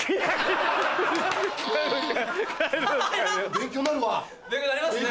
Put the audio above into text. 勉強なりますね。